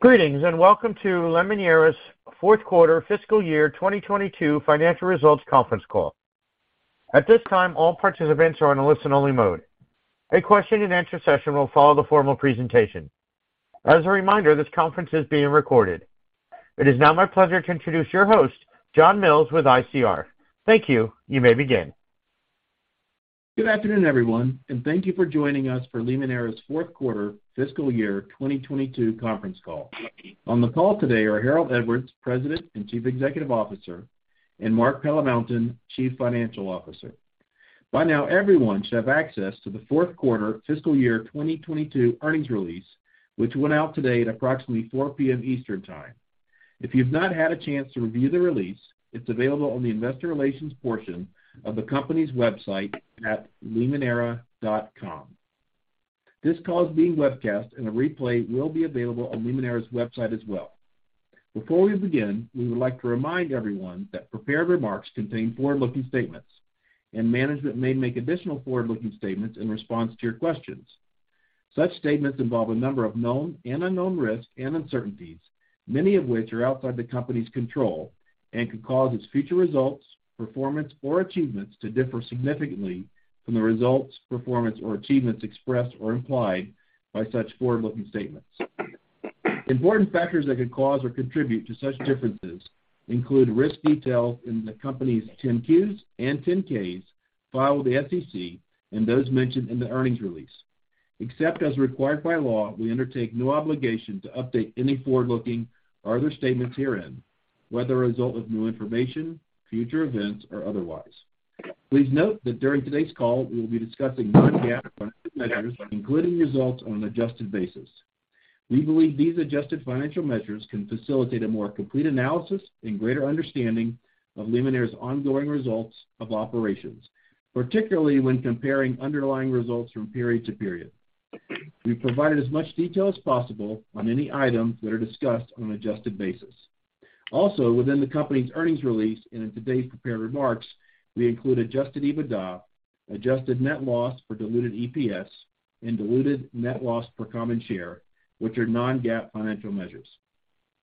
Greetings, and welcome to Limoneira's Q4 Fiscal Year 2022 Financial Results Conference Call. At this time, all participants are on a listen-only mode. A question-and-answer session will follow the formal presentation. As a reminder, this conference is being recorded. It is now my pleasure to introduce your host, John Mills with ICR. Thank you. You may begin. Good afternoon, everyone. Thank you for joining us for Limoneira's Q4 Fiscal Year 2022 Conference Call. On the call today are Harold Edwards, President and Chief Executive Officer, and Mark Palamountain, Chief Financial Officer. By now, everyone should have access to the Q4 fiscal year 2022 earnings release, which went out today at approximately 4:00 P.M. Eastern Time. If you've not had a chance to review the release, it's available on the investor relations portion of the company's website at limoneira.com. This call is being webcast, and a replay will be available on Limoneira's website as well. Before we begin, we would like to remind everyone that prepared remarks contain forward-looking statements, and management may make additional forward-looking statements in response to your questions. Such statements involve a number of known and unknown risks and uncertainties, many of which are outside the company's control and could cause its future results, performance, or achievements to differ significantly from the results, performance, or achievements expressed or implied by such forward-looking statements. Important factors that could cause or contribute to such differences include risks detailed in the company's Form 10-Q and Form 10-K filed with the SEC and those mentioned in the earnings release. Except as required by law, we undertake no obligation to update any forward-looking or other statements herein, whether a result of new information, future events, or otherwise. Please note that during today's call, we will be discussing non-GAAP financial measures, including results on an adjusted basis. We believe these adjusted financial measures can facilitate a more complete analysis and greater understanding of Limoneira's ongoing results of operations, particularly when comparing underlying results from period to period. We've provided as much detail as possible on any items that are discussed on an adjusted basis. Also, within the company's earnings release and in today's prepared remarks, we include adjusted EBITDA, adjusted net loss for diluted EPS, and diluted net loss per common share, which are non-GAAP financial measures.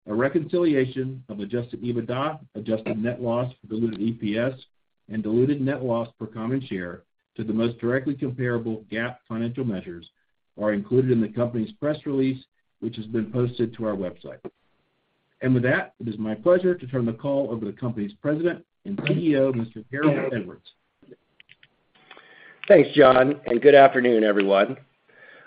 A reconciliation of adjusted EBITDA, adjusted net loss for diluted EPS, and diluted net loss per common share to the most directly comparable GAAP financial measures are included in the company's press release, which has been posted to our website. With that, it is my pleasure to turn the call over to the company's President and CEO, Mr. Harold Edwards. Thanks, John, and good afternoon, everyone.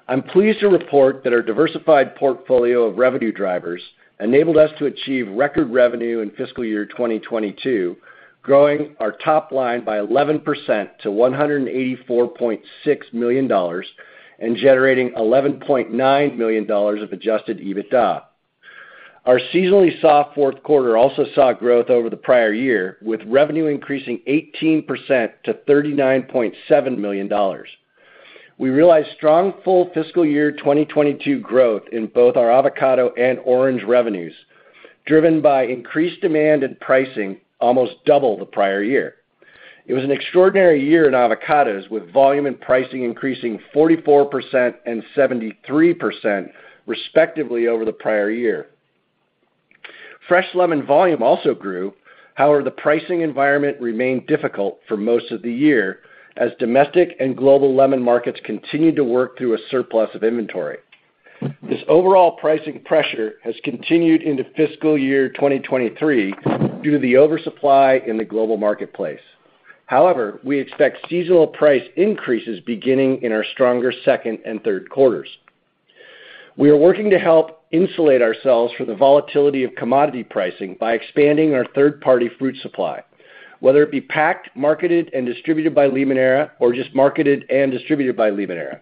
I'm pleased to report that our diversified portfolio of revenue drivers enabled us to achieve record revenue in fiscal year 2022, growing our top line by 11% to $184.6 million and generating $11.9 million of adjusted EBITDA. Our seasonally soft Q4 also saw growth over the prior year, with revenue increasing 18% to $39.7 million. We realized strong full fiscal year 2022 growth in both our avocado and orange revenues, driven by increased demand and pricing almost double the prior year. It was an extraordinary year in avocados, with volume and pricing increasing 44% and 73% respectively over the prior year. Fresh lemon volume also grew. The pricing environment remained difficult for most of the year as domestic and global lemon markets continued to work through a surplus of inventory. This overall pricing pressure has continued into fiscal year 2023 due to the oversupply in the global marketplace. We expect seasonal price increases beginning in our stronger second and Q3s. We are working to help insulate ourselves from the volatility of commodity pricing by expanding our third-party fruit supply, whether it be packed, marketed, and distributed by Limoneira or just marketed and distributed by Limoneira.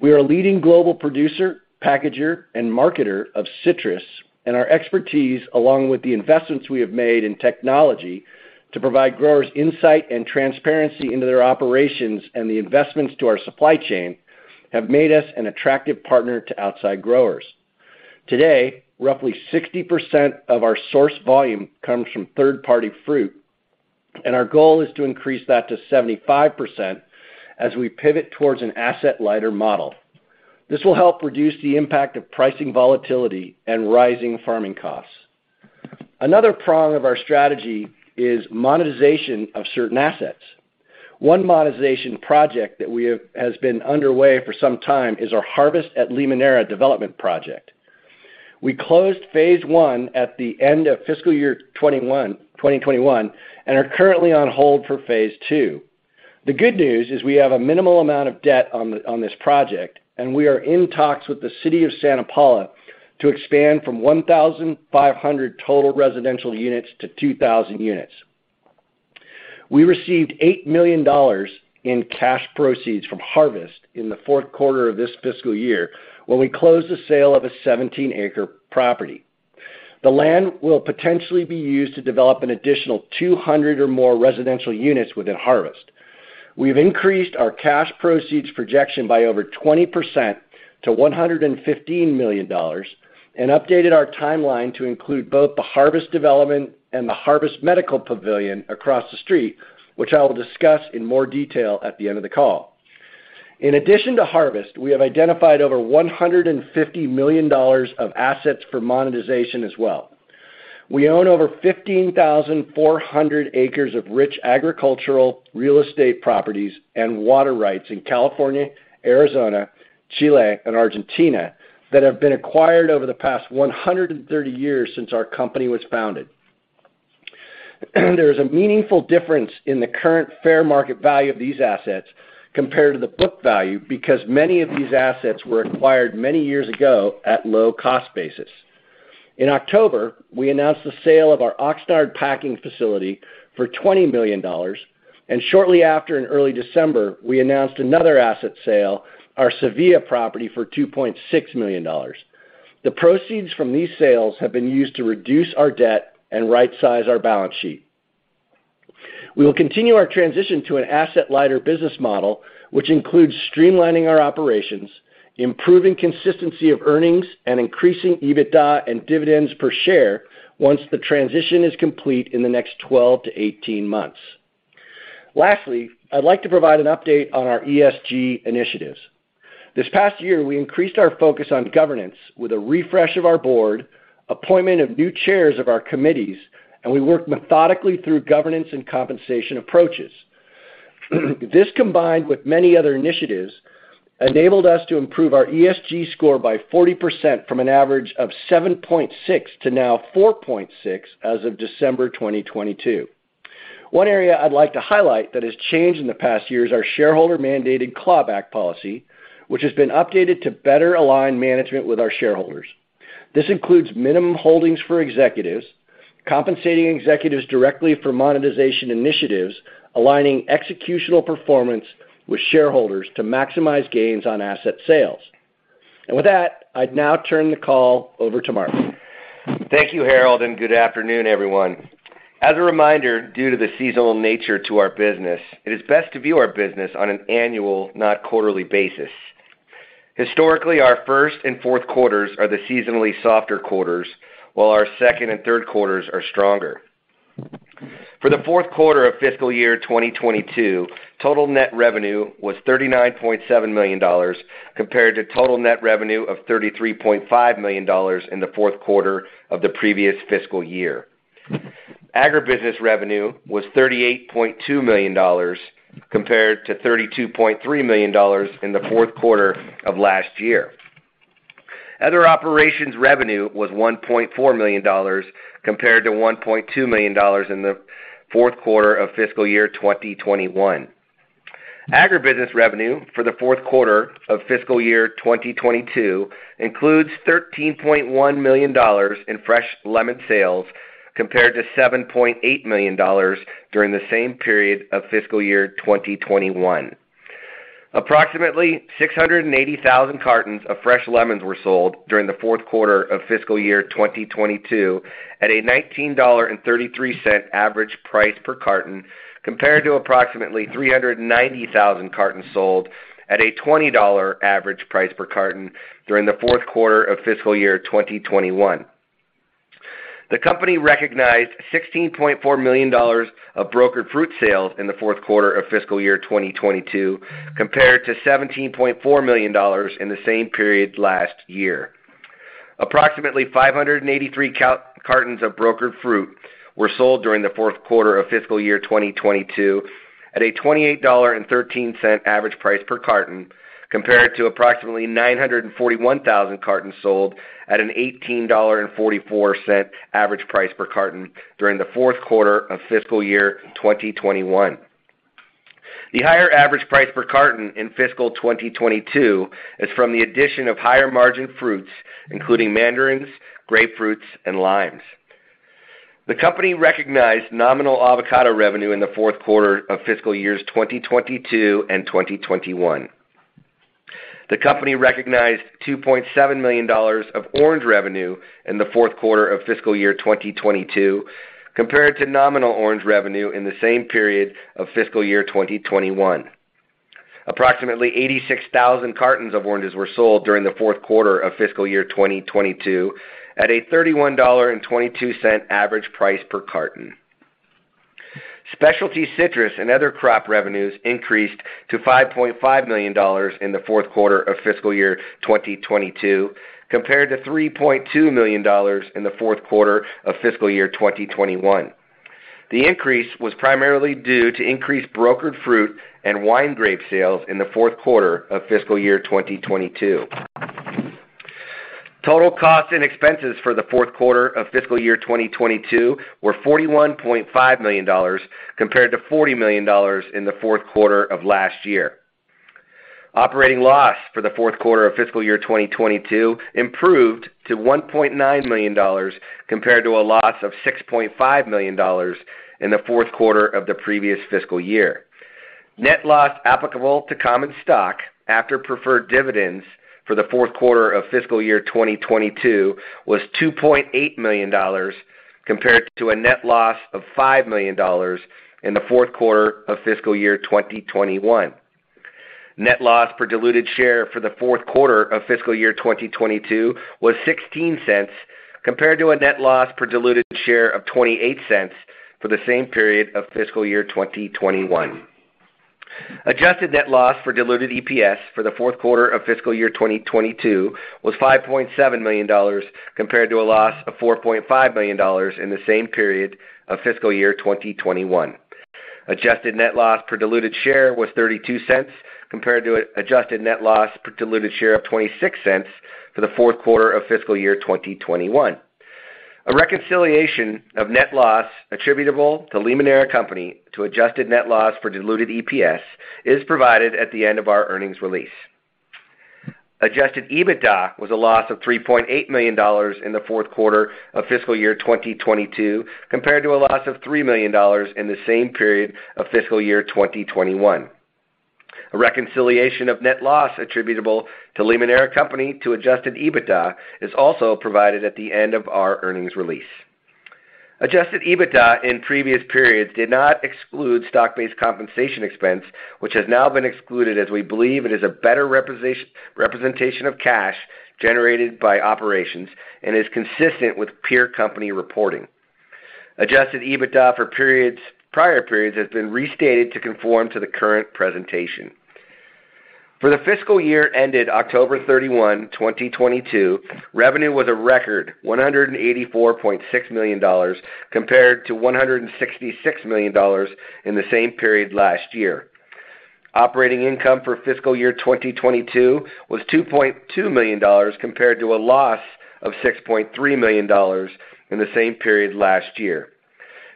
We are a leading global producer, packager, and marketer of citrus, and our expertise, along with the investments we have made in technology to provide growers insight and transparency into their operations and the investments to our supply chain, have made us an attractive partner to outside growers. Today, roughly 60% of our source volume comes from third-party fruit. Our goal is to increase that to 75% as we pivot towards an asset lighter model. This will help reduce the impact of pricing volatility and rising farming costs. Another prong of our strategy is monetization of certain assets. One monetization project that has been underway for some time is our Harvest at Limoneira development project. We closed phase one at the end of fiscal year 2021 and are currently on hold for phase II. The good news is we have a minimal amount of debt on this project. We are in talks with the city of Santa Paula to expand from 1,500 total residential units to 2,000 units. We received $8 million in cash proceeds from Harvest in the Q4 of this fiscal year when we closed the sale of a 17-acre property. The land will potentially be used to develop an additional 200 or more residential units within Harvest. We've increased our cash proceeds projection by over 20% to $115 million and updated our timeline to include both the Harvest Development and the Harvest Medical Pavilion across the street, which I will discuss in more detail at the end of the call. In addition to Harvest, we have identified over $150 million of assets for monetization as well. We own over 15,400 acres of rich agricultural real estate properties and water rights in California, Arizona, Chile, and Argentina that have been acquired over the past 130 years since our company was founded. There is a meaningful difference in the current fair market value of these assets compared to the book value because many of these assets were acquired many years ago at low cost basis. In October, we announced the sale of our Oxnard packing facility for $20 million, and shortly after in early December, we announced another asset sale, our Sevilla property, for $2.6 million. The proceeds from these sales have been used to reduce our debt and right-size our balance sheet. We will continue our transition to an asset-lighter business model, which includes streamlining our operations, improving consistency of earnings, and increasing EBITDA and dividends per share once the transition is complete in the next 12-18 months. I'd like to provide an update on our ESG initiatives. This past year, we increased our focus on governance with a refresh of our board, appointment of new chairs of our committees, and we worked methodically through governance and compensation approaches. This, combined with many other initiatives, enabled us to improve our ESG score by 40% from an average of 7.6 to now 4.6 as of December 2022. One area I'd like to highlight that has changed in the past year is our shareholder-mandated clawback policy, which has been updated to better align management with our shareholders. This includes minimum holdings for executives, compensating executives directly for monetization initiatives, aligning executional performance with shareholders to maximize gains on asset sales. With that, I'd now turn the call over to Mark. Thank you, Harold, and good afternoon, everyone. As a reminder, due to the seasonal nature to our business, it is best to view our business on an annual, not quarterly basis. Historically, our Q1 and Q4s are the seasonally softer quarters, while our Q2 and Q3s are stronger. For the Q4 of fiscal year 2022, total net revenue was $39.7 million compared to total net revenue of $33.5 million in the Q4 of the previous fiscal year. Agribusiness revenue was $38.2 million compared to $32.3 million in the Q4 of last year. Other operations revenue was $1.4 million compared to $1.2 million in the Q4 of fiscal year 2021. Agribusiness revenue for the Q4 of fiscal year 2022 includes $13.1 million in fresh lemon sales compared to $7.8 million during the same period of fiscal year 2021. Approximately 680,000 cartons of fresh lemons were sold during the Q4 of fiscal year 2022 at a $19.33 average price per carton, compared to approximately 390,000 cartons sold at a $20 average price per carton during the Q4 of fiscal year 2021. The company recognized $16.4 million of brokered fruit sales in the Q4 of fiscal year 2022 compared to $17.4 million in the same period last year. Approximately 583 cartons of brokered fruit were sold during the Q4 of fiscal year 2022 at a $28.13 average price per carton compared to approximately 941,000 cartons sold at an $18.44 average price per carton during the Q4 of fiscal year 2021. The higher average price per carton in fiscal 2022 is from the addition of higher margin fruits, including mandarins, grapefruits and limes. The company recognized nominal avocado revenue in the Q4 of fiscal years 2022 and 2021. The company recognized $2.7 million of orange revenue in the Q4 of fiscal year 2022 compared to nominal orange revenue in the same period of fiscal year 2021. Approximately 86,000 cartons of oranges were sold during the Q4 of fiscal year 2022 at a $31.22 average price per carton. Specialty citrus and other crop revenues increased to $5.5 million in the Q4 of fiscal year 2022 compared to $3.2 million in the Q4 of fiscal year 2021. The increase was primarily due to increased brokered fruit and wine grape sales in the Q4 of fiscal year 2022. Total costs and expenses for the Q4 of fiscal year 2022 were $41.5 million compared to $40 million in the Q4 of last year. Operating loss for the Q4 of fiscal year 2022 improved to $1.9 million compared to a loss of $6.5 million in the Q4 of the previous fiscal year. Net loss applicable to common stock after preferred dividends for the Q4 of fiscal year 2022 was $2.8 million, compared to a net loss of $5 million in the Q4 of fiscal year 2021. Net loss per diluted share for the Q4 of fiscal year 2022 was $0.16, compared to a net loss per diluted share of $0.28. For the same period of fiscal year 2021. Adjusted net loss for diluted EPS for the Q4 of fiscal year 2022 was $5.7 million compared to a loss of $4.5 million in the same period of fiscal year 2021. Adjusted net loss per diluted share was $0.32 compared to adjusted net loss per diluted share of $0.26 for the Q4 of fiscal year 2021. A reconciliation of net loss attributable to Limoneira Company to adjusted net loss per diluted EPS is provided at the end of our earnings release. Adjusted EBITDA was a loss of $3.8 million in the Q4 of fiscal year 2022, compared to a loss of $3 million in the same period of fiscal year 2021. A reconciliation of net loss attributable to Limoneira Company to adjusted EBITDA is also provided at the end of our earnings release. Adjusted EBITDA in previous periods did not exclude stock-based compensation expense, which has now been excluded as we believe it is a better representation of cash generated by operations and is consistent with peer company reporting. Adjusted EBITDA for periods, prior periods has been restated to conform to the current presentation. For the fiscal year ended October 31, 2022, revenue was a record $184.6 million compared to $166 million in the same period last year. Operating income for fiscal year 2022 was $2.2 million compared to a loss of $6.3 million in the same period last year.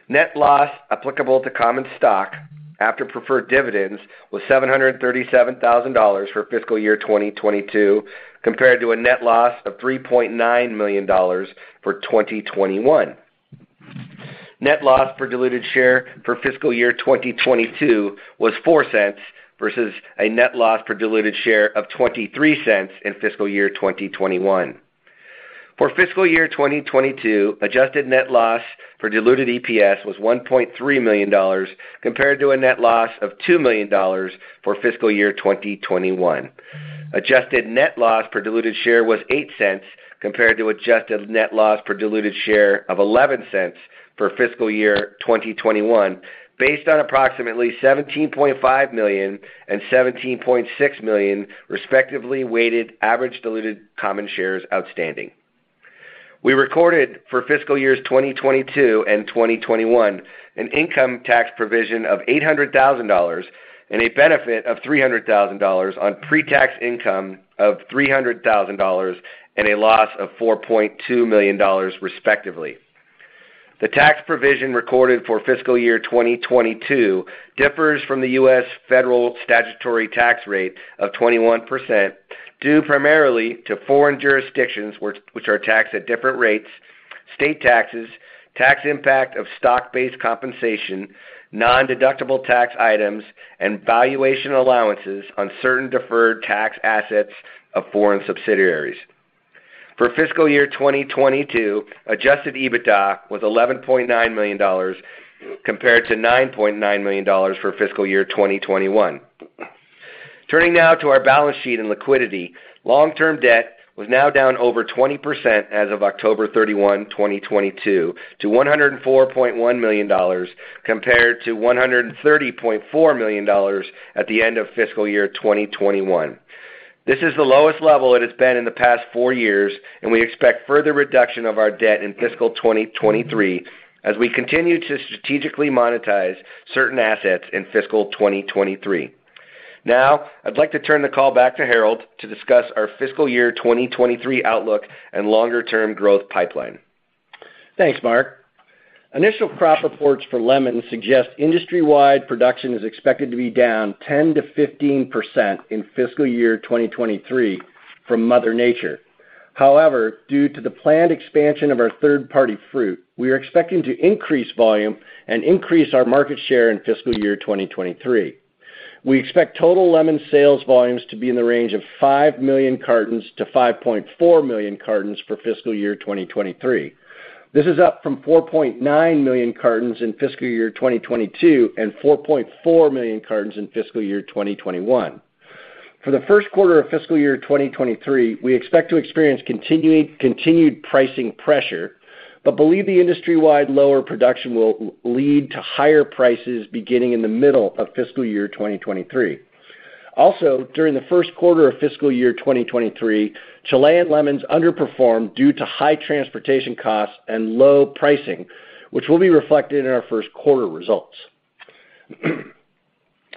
Net loss applicable to common stock after preferred dividends was $737,000 for fiscal year 2022 compared to a net loss of $3.9 million for 2021. Net loss per diluted share for fiscal year 2022 was $0.04 versus a net loss per diluted share of $0.23 in fiscal year 2021. For fiscal year 2022, adjusted net loss for diluted EPS was $1.3 million compared to a net loss of $2 million for fiscal year 2021. Adjusted net loss per diluted share was $0.08 compared to adjusted net loss per diluted share of $0.11 for fiscal year 2021, based on approximately 17.5 million and 17.6 million respectively weighted average diluted common shares outstanding. We recorded for fiscal years 2022 and 2021 an income tax provision of $800,000 and a benefit of $300,000 on pre-tax income of $300,000 and a loss of $4.2 million, respectively. The tax provision recorded for fiscal year 2022 differs from the U.S. federal statutory tax rate of 21%, due primarily to foreign jurisdictions which are taxed at different rates, state taxes, tax impact of stock-based compensation, nondeductible tax items, and valuation allowances on certain deferred tax assets of foreign subsidiaries. For fiscal year 2022, adjusted EBITDA was $11.9 million compared to $9.9 million for fiscal year 2021. Turning now to our balance sheet and liquidity, long-term debt was now down over 20% as of October 31, 2022 to $104.1 million compared to $130.4 million at the end of fiscal year 2021. This is the lowest level it has been in the past four years, and we expect further reduction of our debt in fiscal 2023 as we continue to strategically monetize certain assets in fiscal 2023. Now, I'd like to turn the call back to Harold to discuss our fiscal year 2023 outlook and longer-term growth pipeline. Thanks, Mark. Initial crop reports for lemons suggest industry-wide production is expected to be down 10%-15% in fiscal year 2023 from Mother Nature. Due to the planned expansion of our third-party fruit, we are expecting to increase volume and increase our market share in fiscal year 2023. We expect total lemon sales volumes to be in the range of 5 million cartons to 5.4 million cartons for fiscal year 2023. This is up from 4.9 million cartons in fiscal year 2022 and 4.4 million cartons in fiscal year 2021. For the Q1 of fiscal year 2023, we expect to experience continued pricing pressure, but believe the industry-wide lower production will lead to higher prices beginning in the middle of fiscal year 2023. During the Q1 of fiscal year 2023, Chilean lemons underperformed due to high transportation costs and low pricing, which will be reflected in our Q1 results.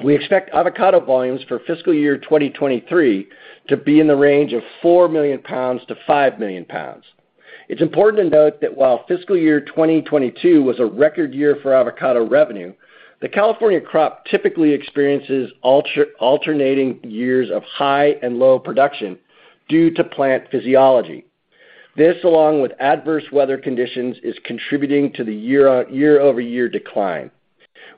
We expect avocado volumes for fiscal year 2023 to be in the range of 4 million pounds to 5 million pounds. It's important to note that while fiscal year 2022 was a record year for avocado revenue, the California crop typically experiences alternating years of high and low production due to plant physiology. This, along with adverse weather conditions, is contributing to the year-over-year decline.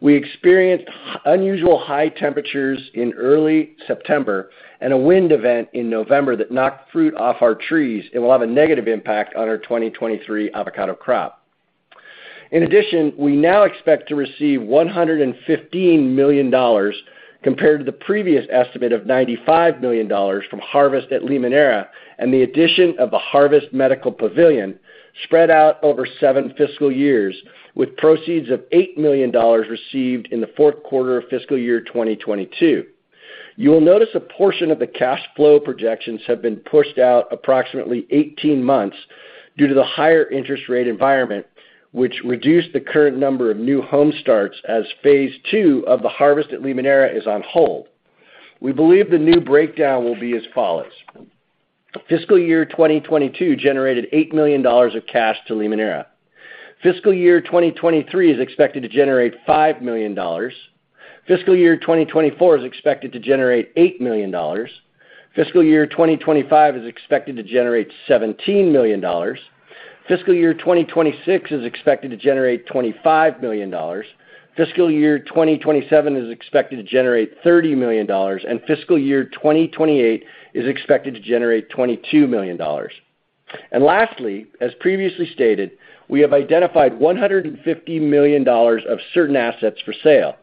We experienced unusual high temperatures in early September and a wind event in November that knocked fruit off our trees and will have a negative impact on our 2023 avocado crop. In addition, we now expect to receive $115 million compared to the previous estimate of $95 million from Harvest at Limoneira and the addition of a Harvest Medical Pavilion spread out over seven fiscal years, with proceeds of $8 million received in the Q4 of fiscal year 2022. You will notice a portion of the cash flow projections have been pushed out approximately 18 months due to the higher interest rate environment, which reduced the current number of new home starts as phase II of the Harvest at Limoneira is on hold. We believe the new breakdown will be as follows. Fiscal year 2022 generated $8 million of cash to Limoneira. Fiscal year 2023 is expected to generate $5 million. Fiscal year 2024 is expected to generate $8 million. Fiscal year 2025 is expected to generate $17 million. Fiscal year 2026 is expected to generate $25 million. Fiscal year 2027 is expected to generate $30 million. Fiscal year 2028 is expected to generate $22 million. Lastly, as previously stated, we have identified $150 million of certain assets for sale.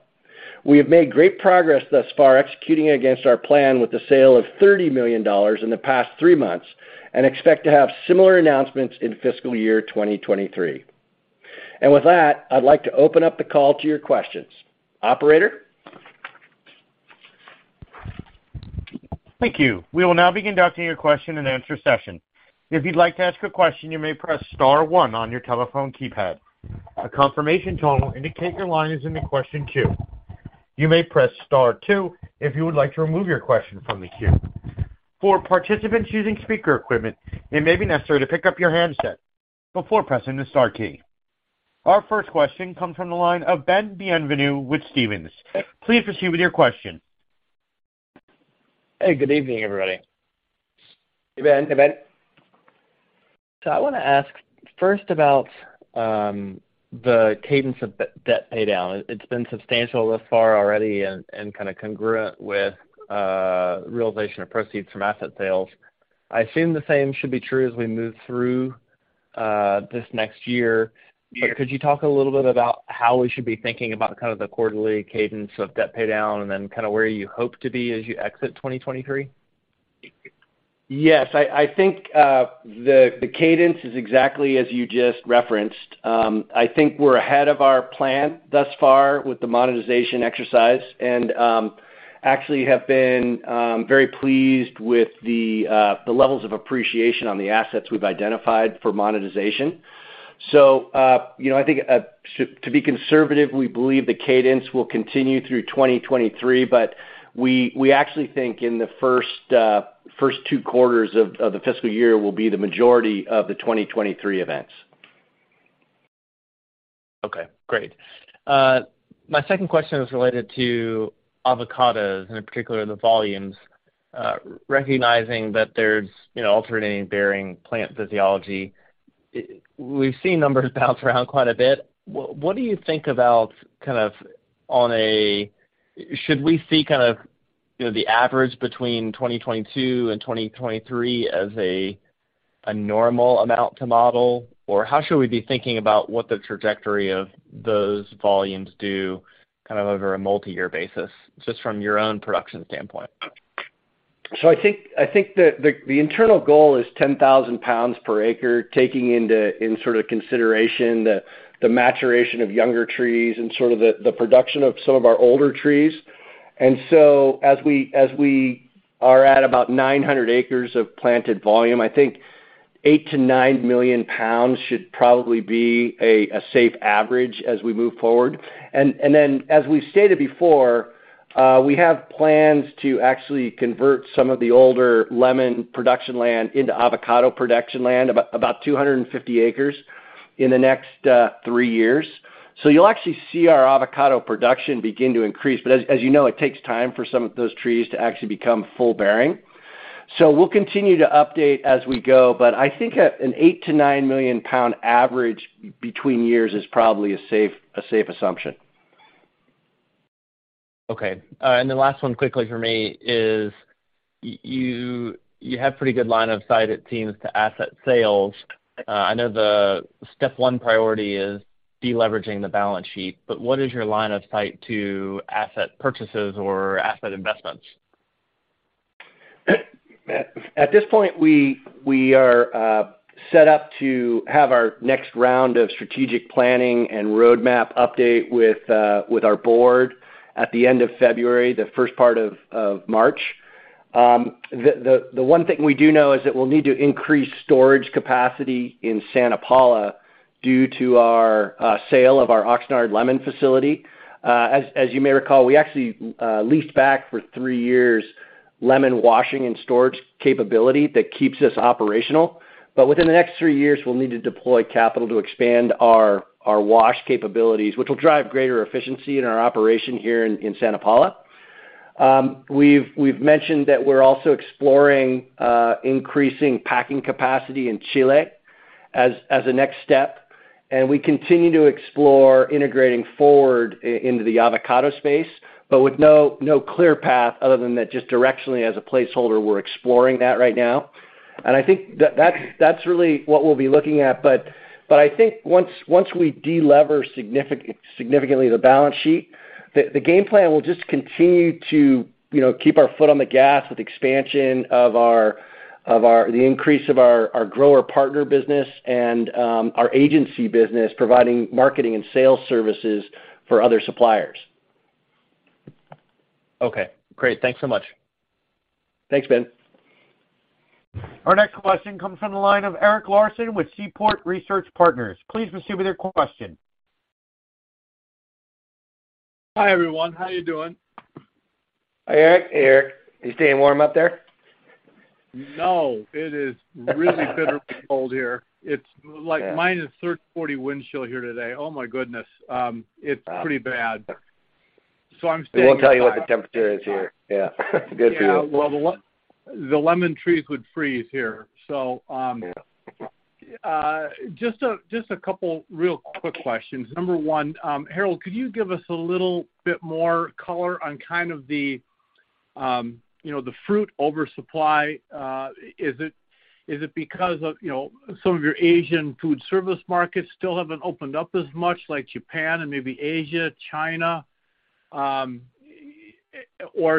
We have made great progress thus far executing against our plan with the sale of $30 million in the past three months and expect to have similar announcements in fiscal year 2023. With that, I'd like to open up the call to your questions. Operator? Thank you. We will now be conducting your question-and-answer session. If you'd like to ask a question, you may press star one on your telephone keypad. A confirmation tone will indicate your line is in the question queue. You may press star two if you would like to remove your question from the queue. For participants using speaker equipment, it may be necessary to pick up your handset before pressing the star key. Our first question comes from the line of Benjamin Bienvenu with Stephens. Please proceed with your question. Hey, good evening, everybody. Hey, Ben. Hey, Ben. I want to ask first about the cadence of debt paydown. It's been substantial thus far already and kind of congruent with realization of proceeds from asset sales. I assume the same should be true as we move through this next year. Yeah. Could you talk a little bit about how we should be thinking about kind of the quarterly cadence of debt paydown and then kind of where you hope to be as you exit 2023? Yes. I think the cadence is exactly as you just referenced. I think we're ahead of our plan thus far with the monetization exercise and actually have been very pleased with the levels of appreciation on the assets we've identified for monetization. You know, I think to be conservative, we believe the cadence will continue through 2023, but we actually think in the first two quarters of the fiscal year will be the majority of the 2023 events. Okay. Great. My second question is related to avocados, and in particular, the volumes. Recognizing that there's, you know, alternating bearing plant physiology, we've seen numbers bounce around quite a bit. What do you think about kind of on a. Should we see kind of, you know, the average between 2022 and 2023 as a normal amount to model? Or how should we be thinking about what the trajectory of those volumes do kind of over a multiyear basis, just from your own production standpoint? I think the internal goal is 10,000 pounds per acre, taking into consideration the maturation of younger trees and the production of some of our older trees. As we are at about 900 acres of planted volume, I think 8 million-9 million pounds should probably be a safe average as we move forward. As we've stated before, we have plans to actually convert some of the older lemon production land into avocado production land, about 250 acres in the next three years. You'll actually see our avocado production begin to increase. As you know, it takes time for some of those trees to actually become full bearing. We'll continue to update as we go, but I think an 8 million-9 million pounds average between years is probably a safe, a safe assumption. Okay. The last one quickly for me is you have pretty good line of sight, it seems, to asset sales. I know the step one priority is deleveraging the balance sheet, but what is your line of sight to asset purchases or asset investments? At this point, we are set up to have our next round of strategic planning and roadmap update with our board at the end of February, the first part of March. The one thing we do know is that we'll need to increase storage capacity in Santa Paula due to our sale of our Oxnard lemon facility. As you may recall, we actually leased back for three years lemon washing and storage capability that keeps us operational. Within the next 3 years, we'll need to deploy capital to expand our wash capabilities, which will drive greater efficiency in our operation here in Santa Paula. We've mentioned that we're also exploring increasing packing capacity in Chile as a next step, and we continue to explore integrating forward into the avocado space, but with no clear path other than that just directionally as a placeholder, we're exploring that right now. I think that's really what we'll be looking at. I think once we de-lever significantly the balance sheet, the game plan will just continue to, you know, keep our foot on the gas with expansion of the increase of our grower partner business and our agency business providing marketing and sales services for other suppliers. Okay, great. Thanks so much. Thanks, Ben. Our next question comes from the line of Eric Larson with Seaport Research Partners. Please proceed with your question. Hi, everyone. How are you doing? Hi, Eric. Hey, Eric. You staying warm up there? No. It is really bitterly cold here. It's like minus 30, 40 wind chill here today. Oh my goodness. It's pretty bad. We won't tell you what the temperature is here. Yeah. Good for you. Yeah. Well, the lemon trees would freeze here. Yeah Just a couple real quick questions. Number one, Harold, could you give us a little bit more color on kind of the, you know, the fruit oversupply? Is it because of, you know, some of your Asian food service markets still haven't opened up as much like Japan and maybe Asia, China? Or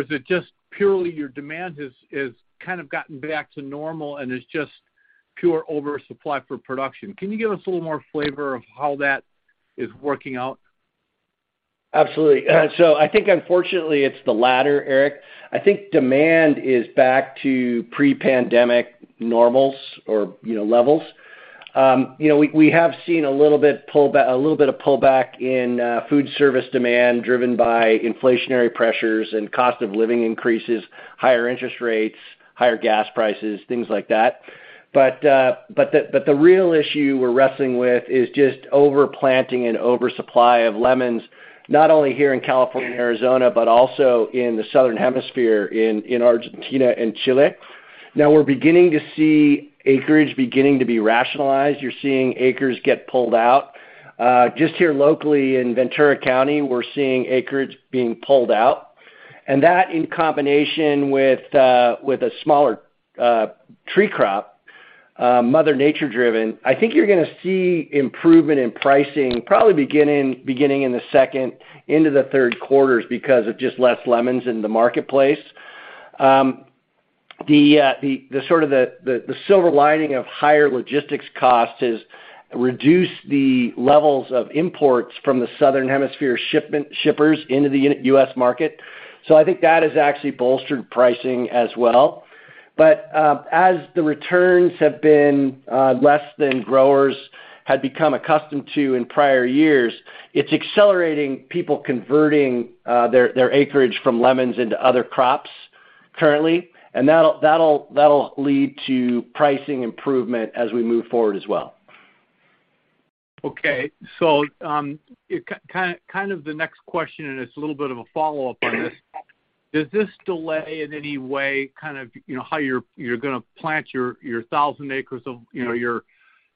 is it just purely your demand has kind of gotten back to normal and is just pure oversupply for production? Can you give us a little more flavor of how that is working out? Absolutely. I think unfortunately it's the latter, Eric. I think demand is back to pre-pandemic normals or, you know, levels. You know, we have seen a little bit of pullback in food service demand driven by inflationary pressures and cost of living increases, higher interest rates, higher gas prices, things like that. The real issue we're wrestling with is just overplanting and oversupply of lemons, not only here in California and Arizona, but also in the Southern Hemisphere in Argentina and Chile. We're beginning to see acreage beginning to be rationalized. You're seeing acres get pulled out. Just here locally in Ventura County, we're seeing acreage being pulled out. That in combination with a smaller tree crop, mother nature driven, I think you're gonna see improvement in pricing probably beginning in the second into the Q3s because of just less lemons in the marketplace. The sort of the silver lining of higher logistics costs has reduced the levels of imports from the Southern Hemisphere shippers into the U.S. market. I think that has actually bolstered pricing as well. As the returns have been less than growers had become accustomed to in prior years, it's accelerating people converting their acreage from lemons into other crops currently, and that'll lead to pricing improvement as we move forward as well. Okay. Kind of the next question, and it's a little bit of a follow-up on this. Does this delay in any way kind of, you know, how you're gonna plant your 1,000 acres of, you know, your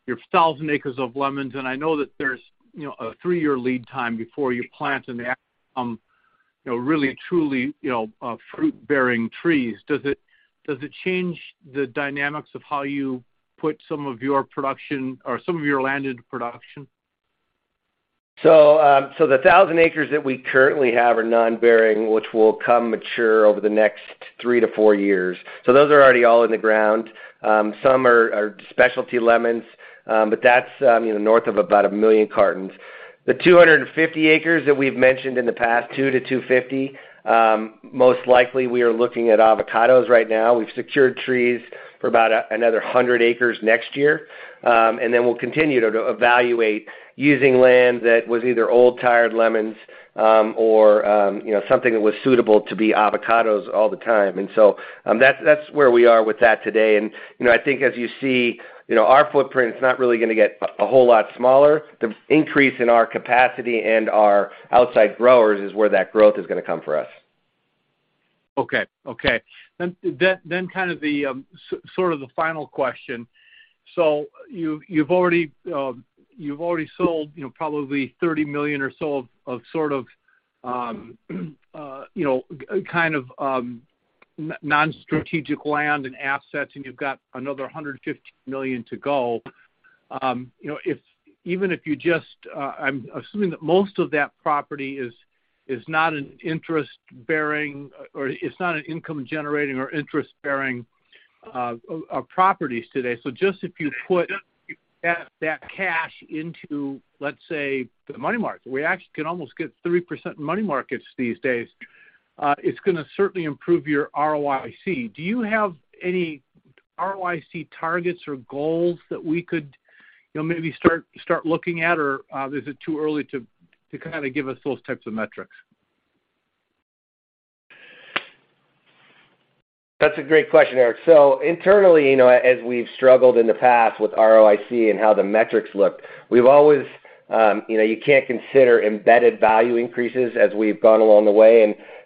1,000 acres of lemons? I know that there's, you know, a three-year lead time before you plant and they become, you know, really and truly, you know, fruit-bearing trees. Does it change the dynamics of how you put some of your production or some of your land into production? The 1,000 acres that we currently have are non-bearing, which will come mature over the next three-four years. Those are already all in the ground. Some are specialty lemons, but that's, you know, north of about 1 million cartons. The 250 acres that we've mentioned in the past, 2-250, most likely we are looking at avocados right now. We've secured trees for about another 100 acres next year. And then we'll continue to evaluate using land that was either old, tired lemons, or, you know, something that was suitable to be avocados all the time. That's where we are with that today. You know, I think as you see, you know, our footprint is not really gonna get a whole lot smaller. The increase in our capacity and our outside growers is where that growth is gonna come for us. Okay. Okay. Then kind of the sort of the final question. You've already sold, you know, probably $30 million or so of sort of, you know, kind of non-strategic land and assets, and you've got another $150 million to go. You know, even if you just, I'm assuming that most of that property is not an interest-bearing or it's not an income generating or interest-bearing properties today. Just if you put that cash into, let's say, the money market, we actually can almost get 3% in money markets these days, it's gonna certainly improve your ROIC. Do you have any ROIC targets or goals that we could, you know, maybe start looking at, or is it too early to kinda give us those types of metrics? That's a great question, Eric. Internally, you know, as we've struggled in the past with ROIC and how the metrics look, we've always, you know, you can't consider embedded value increases as we've gone along the way.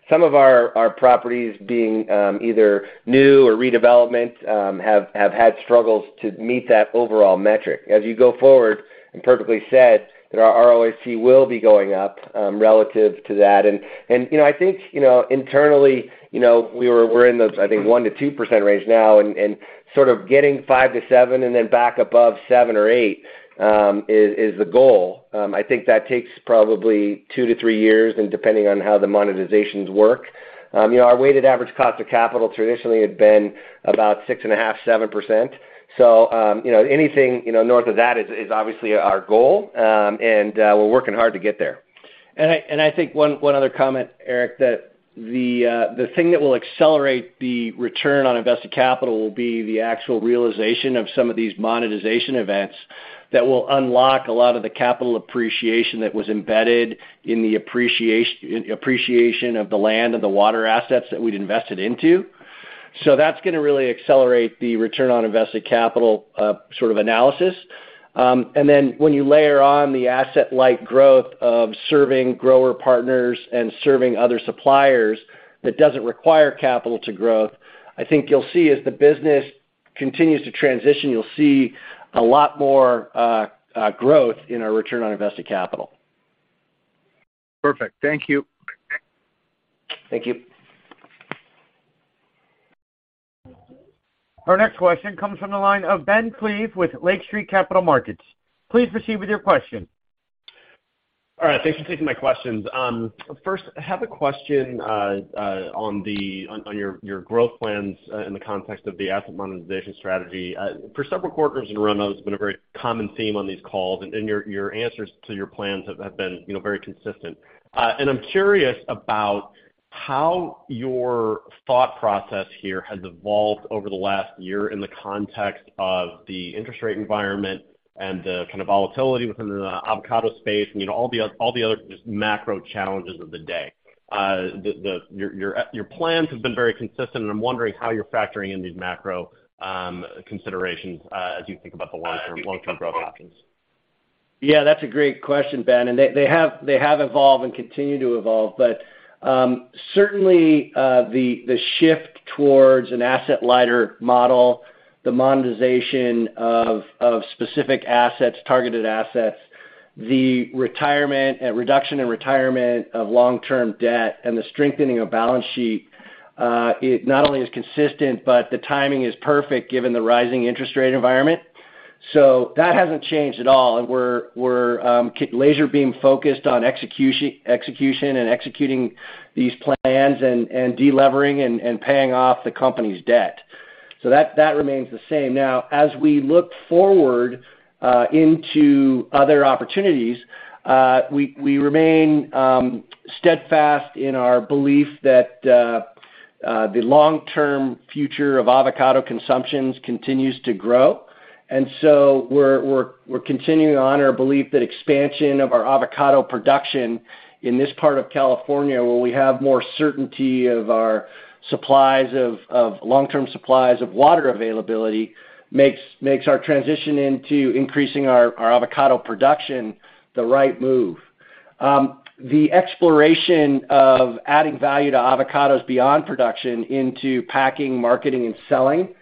Some of our properties being, either new or redevelopment, have had struggles to meet that overall metric. As you go forward, perfectly said that our ROIC will be going up, relative to that. I think, you know, internally, you know, we're in the, I think 1%-2% range now and sort of getting 5%-7% and then back above 7% or 8% is the goal. I think that takes probably two-threeyears and depending on how the monetizations work. You know, our weighted average cost of capital traditionally had been about 6.5%-7%. You know, anything, you know, north of that is obviously our goal. We're working hard to get there. I think one other comment, Eric, that the thing that will accelerate the return on invested capital will be the actual realization of some of these monetization events that will unlock a lot of the capital appreciation that was embedded in the appreciation of the land and the water assets that we'd invested into. That's gonna really accelerate the return on invested capital sort of analysis. When you layer on the asset light growth of serving grower partners and serving other suppliers that doesn't require capital to growth, I think you'll see as the business continues to transition, you'll see a lot more growth in our return on invested capital. Perfect. Thank you. Thank you. Our next question comes from the line of Ben Klieve with Lake Street Capital Markets. Please proceed with your question. All right. Thanks for taking my questions. First, I have a question on your growth plans in the context of the asset monetization strategy. For several quarters in a row now, it's been a very common theme on these calls, and your answers to your plans have been, you know, very consistent. I'm curious about how your thought process here has evolved over the last year in the context of the interest rate environment and the kind of volatility within the avocado space and, you know, all the other just macro challenges of the day. Your plans have been very consistent, and I'm wondering how you're factoring in these macro considerations as you think about the long-term growth options. Yeah, that's a great question, Ben, and they have evolved and continue to evolve. Certainly, the shift towards an asset lighter model, the monetization of specific assets, targeted assets, the retirement, reduction and retirement of long-term debt, and the strengthening of balance sheet, it not only is consistent, but the timing is perfect given the rising interest rate environment. That hasn't changed at all, and we're laser beam focused on execution and executing these plans and de-levering and paying off the company's debt. That remains the same. As we look forward, into other opportunities, we remain steadfast in our belief that the long-term future of avocado consumptions continues to grow. We're continuing to honor our belief that expansion of our avocado production in this part of California, where we have more certainty of our supplies of long-term supplies of water availability, makes our transition into increasing our avocado production the right move. The exploration of adding value to avocados beyond production into packing, marketing, and selling,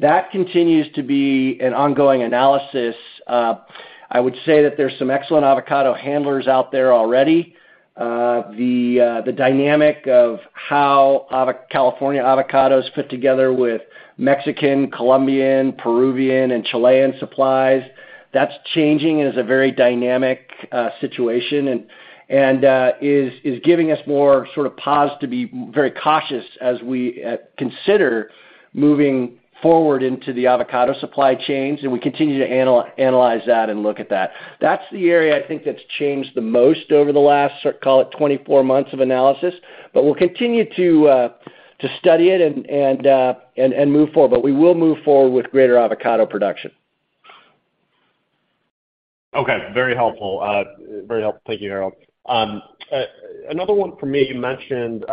that continues to be an ongoing analysis. I would say that there's some excellent avocado handlers out there already. The dynamic of how California avocados fit together with Mexican, Colombian, Peruvian, and Chilean supplies, that's changing and is a very dynamic situation and is giving us more sort of pause to be very cautious as we consider moving forward into the avocado supply chains, and we continue to analyze that and look at that. That's the area I think that's changed the most over the last, call it 24 months of analysis. We'll continue to study it and move forward. We will move forward with greater avocado production. Okay. Very helpful. Thank you, Harold. Another one for me. You mentioned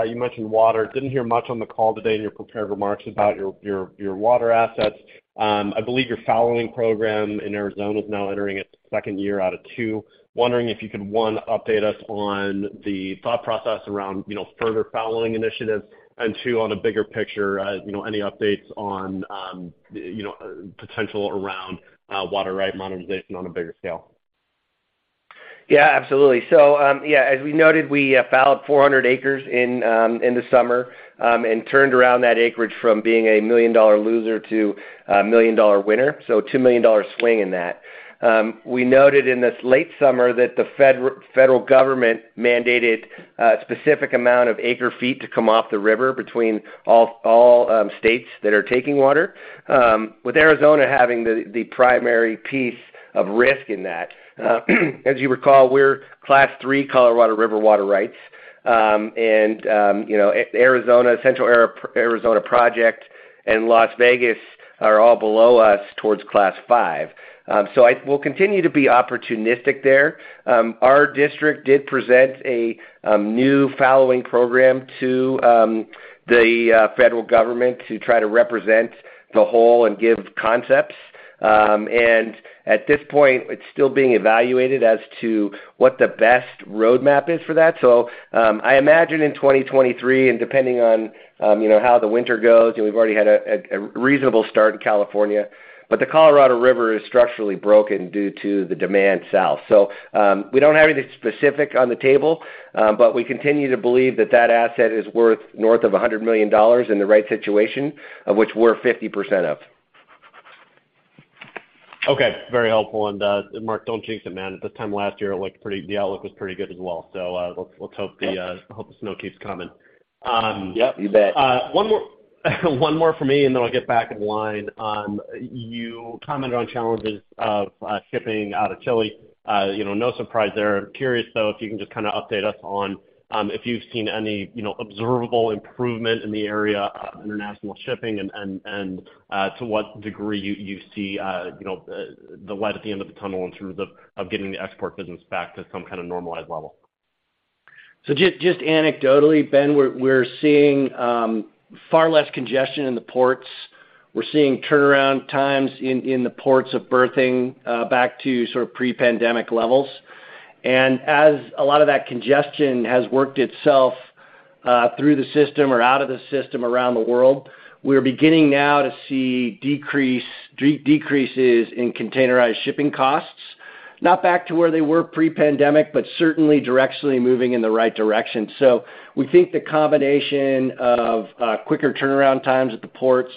water. Didn't hear much on the call today in your prepared remarks about your water assets. I believe your fallowing program in Arizona is now entering its second year out of two. Wondering if you could, one, update us on the thought process around, you know, further fallowing initiatives. Two, on a bigger picture, you know, any updates on, you know, potential around water right monetization on a bigger scale? Absolutely. As we noted, we fallowed 400 acres in the summer and turned around that acreage from being a $1 million loser to a $1 million winner, so a $2 million swing in that. We noted in this late summer that the federal government mandated a specific amount of acre feet to come off the river between all states that are taking water, with Arizona having the primary piece of risk in that. As you recall, we're Third Priority Colorado River water rights, and, you know, Central Arizona Project and Las Vegas are all below us towards Fifth Priority. We'll continue to be opportunistic there. Our district did present a new fallowing program to the federal government to try to represent the whole and give concepts. At this point, it's still being evaluated as to what the best roadmap is for that. I imagine in 2023, depending on, you know, how the winter goes, we've already had a reasonable start in California, the Colorado River is structurally broken due to the demand south. We don't have anything specific on the table, we continue to believe that that asset is worth north of $100 million in the right situation, of which we're 50% of. Okay. Very helpful. Mark, don't jinx it, man. This time last year, the outlook was pretty good as well. Let's hope the snow keeps coming. Yep, you bet. One more, one more from me, and then I'll get back in line. You commented on challenges of shipping out of Chile. You know, no surprise there. Curious, though, if you can just kinda update us on if you've seen any, you know, observable improvement in the area of international shipping and to what degree you see, you know, the light at the end of the tunnel in terms of getting the export business back to some kinda normalized level. Just anecdotally, Ben Klieve, we're seeing far less congestion in the ports. We're seeing turnaround times in the ports of berthing back to sort of pre-pandemic levels. As a lot of that congestion has worked itself through the system or out of the system around the world, we're beginning now to see decrease, decreases in containerized shipping costs, not back to where they were pre-pandemic, but certainly directionally moving in the right direction. We think the combination of quicker turnaround times at the ports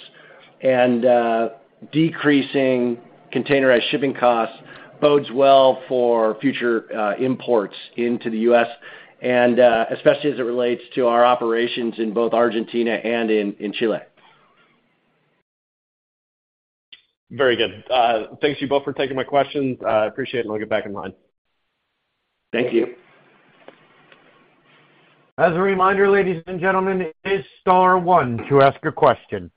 and decreasing containerized shipping costs bodes well for future imports into the US and especially as it relates to our operations in both Argentina and in Chile. Very good. Thank you both for taking my questions. I appreciate it, and I'll get back in line. Thank you. As a reminder, ladies and gentlemen, it is star 1 to ask a question.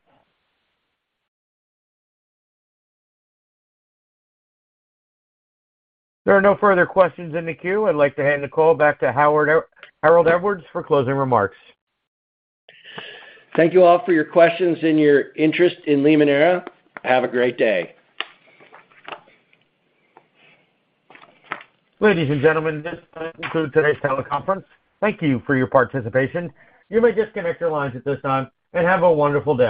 If there are no further questions in the queue, I'd like to hand the call back to Harold Edwards for closing remarks. Thank you all for your questions and your interest in Limoneira. Have a great day. Ladies and gentlemen, this does conclude today's teleconference. Thank you for your participation. You may disconnect your lines at this time, and have a wonderful day.